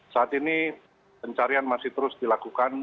saat ini pencarian masih terus dilakukan